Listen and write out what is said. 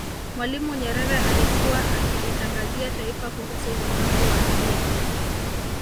Mwalimu Nyerere alikuwa akilitangazia taifa kuhusu uvamizi wa Idi Amin